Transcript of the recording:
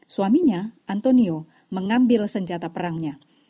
suaminya antonio mengambil senjata perangnya